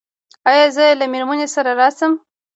ایا زه له میرمنې سره راشم؟